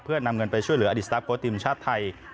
เพื่อนำเงินไปช่วยเหลืออดีตสตาร์โค้ดทีมชาติไทย